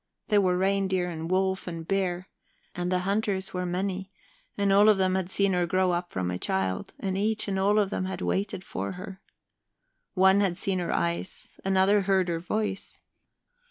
There were reindeer and wolf and bear, and the hunters were many, and all of them had seen her grow up from a child, and each and all of them had waited for her. One had seen her eyes, another heard her voice.